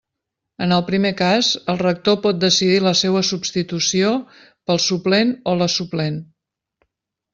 En el primer cas, el rector pot decidir la seua substitució pel suplent o la suplent.